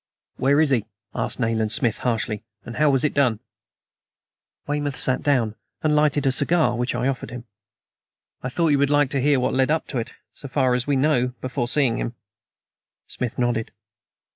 "Where is he?" asked Nayland Smith harshly. "How was it done?" Weymouth sat down and lighted a cigar which I offered him. "I thought you would like to hear what led up to it so far as we know before seeing him?" Smith nodded.